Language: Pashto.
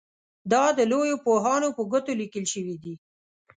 دا د لویو پوهانو په ګوتو لیکل شوي دي.